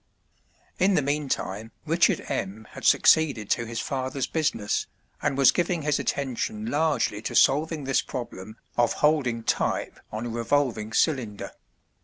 In the meantime Richard M. had succeeded to his father's business, and was giving his attention largely to solving this problem of holding type on a revolving cylinder.